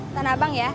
tanah abang ya